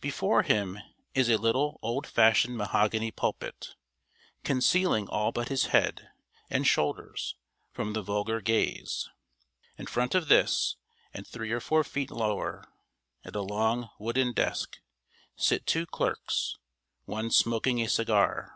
Before him is a little, old fashioned mahogany pulpit, concealing all but his head and shoulders from the vulgar gaze. In front of this, and three or four feet lower, at a long wooden desk, sit two clerks, one smoking a cigar.